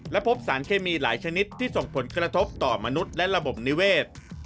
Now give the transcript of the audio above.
และพบสารเคมีหลายชนิดที่ส่งผลกระทบต่อมนุษย์และระบบนิเวศ